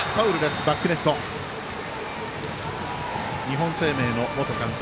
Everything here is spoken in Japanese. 日本生命の元監督